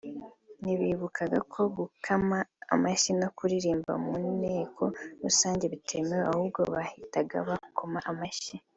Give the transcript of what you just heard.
ntibibukaga ko gukama amashyi no kuririmba mu nteko rusange bitemewe ahubwo bahitaga bakoma amashyi